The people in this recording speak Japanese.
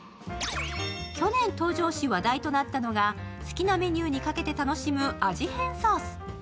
去年登場し、話題となったのが好きなメニューにかけて楽しむ味変ソース。